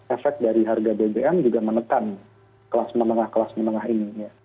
efek dari harga bbm juga menekan kelas menengah kelas menengah ini